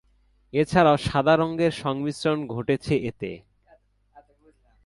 এছাড়াও সাদা রঙের সংমিশ্রণ ঘটেছে এতে।